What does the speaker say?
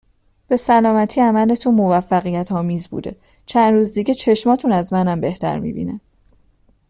به سلامتی عملتون موفقیتآمیز بوده چند روز دیگه چشماتون از منم بهتر میبینن